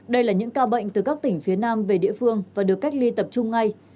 đây là những ca bệnh từ các tỉnh phía nam về địa phương và được cách ly tập trung ngay